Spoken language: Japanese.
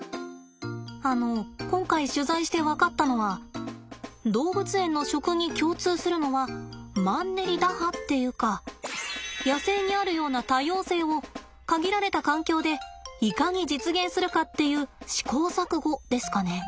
あの今回取材して分かったのは動物園の食に共通するのはマンネリ打破っていうか野生にあるような多様性を限られた環境でいかに実現するかっていう試行錯誤ですかね。